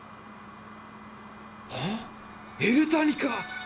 あっエルタニカ！